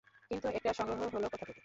কিন্তু এটা সংগ্রহ হল কোথা থেকে।